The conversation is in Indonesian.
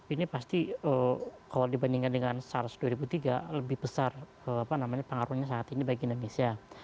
ini pasti kalau dibandingkan dengan sars dua ribu tiga lebih besar pengaruhnya saat ini bagi indonesia